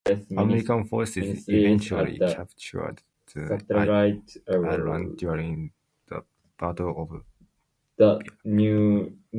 American forces eventually captured the island during the Battle of Biak.